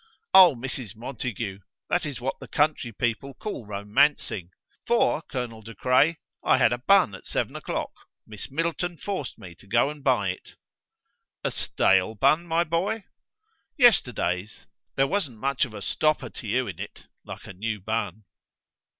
"Oh! Mrs. Montague, that is what the country people call roemancing. For, Colonel De Craye, I had a bun at seven o'clock. Miss Middleton forced me to go and buy it" "A stale bun, my boy?" "Yesterday's: there wasn't much of a stopper to you in it, like a new bun."